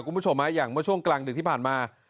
คุณผู้ชมอย่างเมื่อช่วงกลางดึกที่ผ่านมา